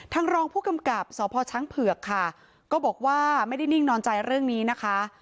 รองผู้กำกับสพช้างเผือกค่ะก็บอกว่าไม่ได้นิ่งนอนใจเรื่องนี้นะคะ